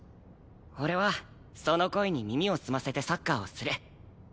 俺はその声に耳を澄ませてサッカーをするそんだけ。